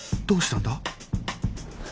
どうしたんだ？